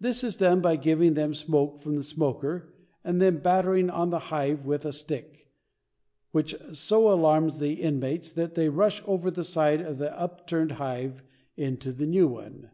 This is done by giving them smoke from the smoker and then battering on the hive with a stick, which so alarms the inmates that they rush over the side of the upturned hive into the new one.